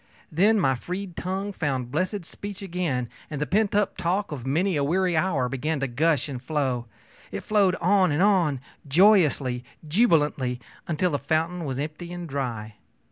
Then my freed tongue found blessed speech again, and the pent talk of many a weary hour began to gush and flow. It flowed on and on, joyously, jubilantly, until the fountain was empty and dry.